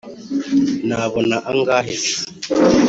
nabona angahe se?